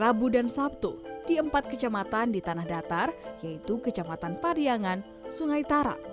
rabu dan sabtu di empat kecamatan di tanah datar yaitu kecamatan pariangan sungai tara